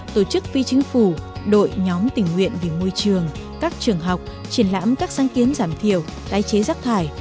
tổ chức phi chính phủ đội nhóm tình nguyện vì môi trường các trường học triển lãm các sáng kiến giảm thiểu tái chế rác thải